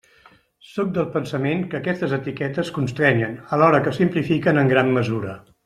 Sóc del pensament que aquestes etiquetes constrenyen alhora que simplifiquen en gran mesura.